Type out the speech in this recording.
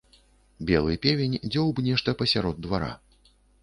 Белы певень дзёўб нешта пасярод двара.